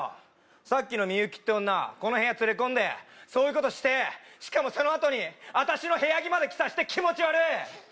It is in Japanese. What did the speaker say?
さっきのミユキって女この部屋連れ込んでそういうことしてしかもそのあとに私の部屋着まで着させて気持ち悪い！